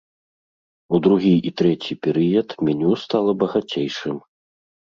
У другі і трэці перыяд меню стала багацейшым.